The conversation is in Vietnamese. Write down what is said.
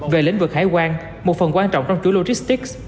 về lĩnh vực hải quan một phần quan trọng trong chuỗi logistics